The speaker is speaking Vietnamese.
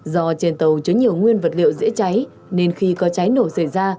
do trên tàu chứa nhiều nguyên vật liệu dễ cháy nên khi có cháy nổ xảy ra